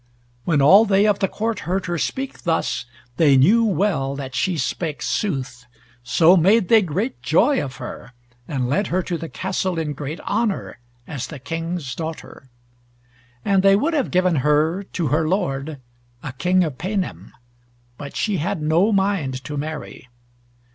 When all they of the court heard her speak thus, they knew well that she spake sooth: so made they great joy of her, and led her to the castle in great honour, as the King's daughter. And they would have given her to her lord a King of Paynim, but she had no mind to marry.